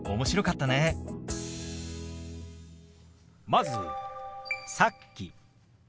まず「さっき」。